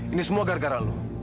ini semua gara gara lalu